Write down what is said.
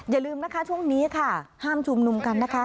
อย่าลืมนะคะช่วงนี้ค่ะห้ามชุมนุมกันนะคะ